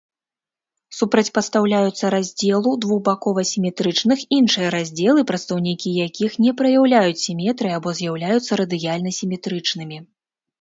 Супрацьпастаўляюцца раздзелу двухбакова-сіметрычных іншыя раздзелы, прадстаўнікі якіх не праяўляюць сіметрыі або з'яўляюцца радыяльна-сіметрычнымі.